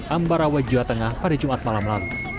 ambarawa jawa tengah pada jumat malam lalu